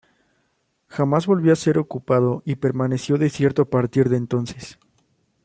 Jamás volvió a ser ocupado y permaneció desierto a partir de entonces.